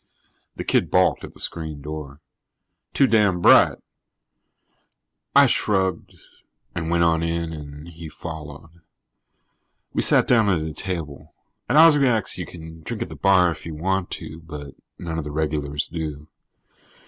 The kid balked at the screen door. "Too damn bright," he said. I shrugged and went on in and he followed. We sat down at a table. At Oswiak's you can drink at the bar if you want to, but none of the regulars do.